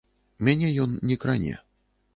Мяне ён не кране.